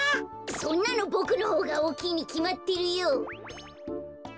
そんなのボクのほうがおおきいにきまってるよ。